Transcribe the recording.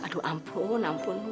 aduh ampun ampun